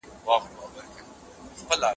دلایل باید روښانه او منطقي وي.